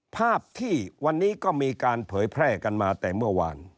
ภาพที่วันนี้ก็มีการเผยแพร่กันมาแต่เมื่อวาน